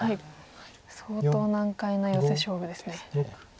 相当難解なヨセ勝負ですね。